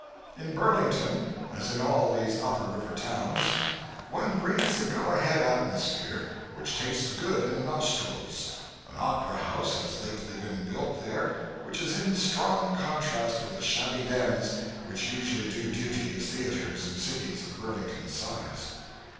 In Burlington, as in all these Upper River towns, one breathes a go ahead atmosphere which tastes good in the nostrils. An opera house has lately been built there which is in strong contrast with the shabby dens which usually do duty as theaters in cities of Burlington's size.